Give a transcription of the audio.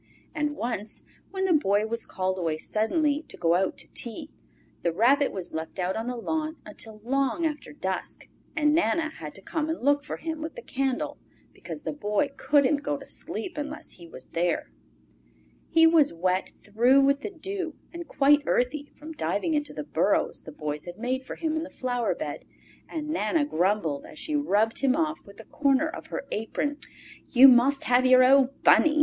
And once, when the Boy was called away suddenly to go out to tea, the Rabbit was left out on the lawn until long after dusk, and Nana had to come and look for him with the candle because the Boy couldn't go to sleep unless he was there. He was wet through with the dew and quite earthy from diving into the burrows the Boy had made for him in the flower bed, and Nana grumbled as she rubbed him off with a corner of her apron. Spring Time "You must have your old Bunny!"